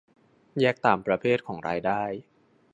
แยกตามประเภทของรายได้